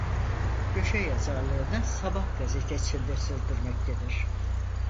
Köşe yazarlığını Sabah gazetesinde sürdürmektedir.